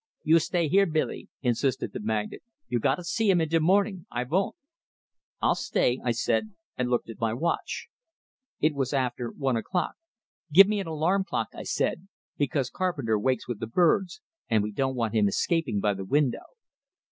"You stay here, Billy!" insisted the magnate. "You gotta see him in de mornin'! I von't!" "I'll stay," I said, and looked at my watch. It was after one o'clock. "Give me an alarm clock," I said, "because Carpenter wakes with the birds, and we don't want him escaping by the window."